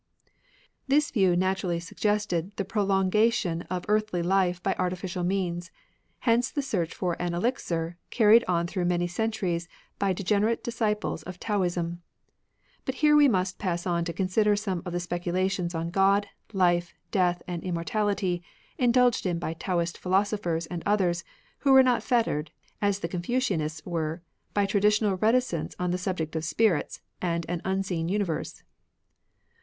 This view naturally suggested the Taobrn^ prolongation of earthly life by artifi cial means ; hence the search for an elixir, carried on through many centuries l>y degenerate disciples of Taoism. But here we must pass on to consider some of the speculations on God, life, death, and immor tality, indulged in by Taoist philosophers and others, who were not fettered, as the Confucian ists were, by traditional reticence on the subject of spirits and an unseen universe.